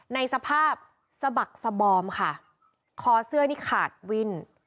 ในสภาพสะบักสบอมค่ะคอเสื้อนี่ขาดวิ่น